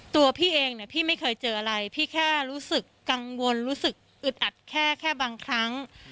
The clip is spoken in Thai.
ตัวพี่เองเนี่ยพี่ไม่เคยเจออะไรพี่แค่รู้สึกกังวลรู้สึกอึดอัดแค่แค่บางครั้ง